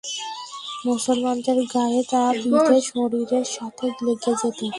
মুসলমানদের গায়ে তা বিধে শরীরের সাথে লেগে যেত।